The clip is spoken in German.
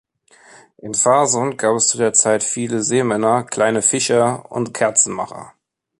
In Farsund gab es zu der Zeit viele Seemänner, kleine Fischer und Kerzenmacher.